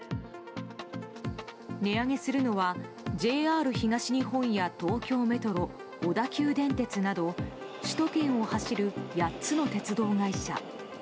値上げするのはＪＲ東日本や東京メトロ、小田急電鉄など首都圏を走る８つの鉄道会社。